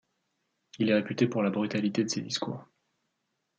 Il est réputé pour la brutalité de ses discours.